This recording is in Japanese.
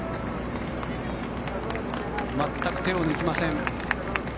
全く手を抜きません。